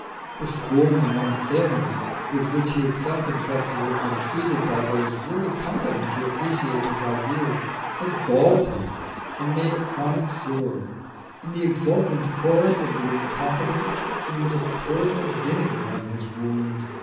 The scorn and unfairness with which he felt himself to have been treated by those really competent to appreciate his ideas had galled him and made a chronic sore; and the exultant chorus of the incompetent seemed a pouring of vinegar on his wound.